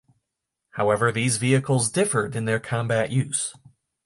However, these vehicles differed in their combat use.